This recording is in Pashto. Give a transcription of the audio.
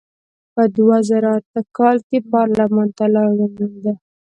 په دوه زره اته کال کې پارلمان ته لار ومونده.